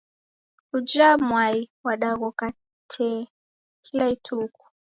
Uja mwai wadaghora tee kila ituku.